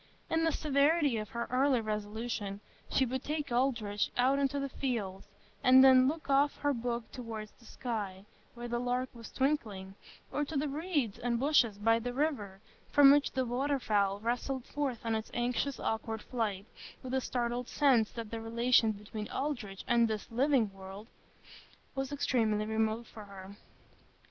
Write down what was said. In the severity of her early resolution, she would take Aldrich out into the fields, and then look off her book toward the sky, where the lark was twinkling, or to the reeds and bushes by the river, from which the waterfowl rustled forth on its anxious, awkward flight,—with a startled sense that the relation between Aldrich and this living world was extremely remote for her.